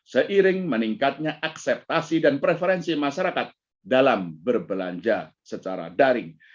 seiring meningkatnya akseptasi dan preferensi masyarakat dalam berbelanja secara daring